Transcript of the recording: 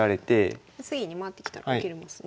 次に回ってきたら受けるんですね。